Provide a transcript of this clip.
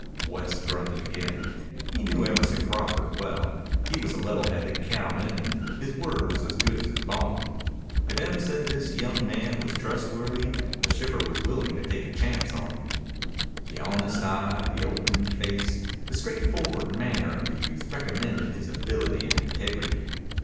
West grunted again. He knew Emerson Crawford well. He was a level headed cowman and his word was as good as his bond. If Em said this young man was trustworthy, the shipper was willing to take a chance on him. The honest eye, the open face, the straightforward manner of the youth recommended his ability and integrity.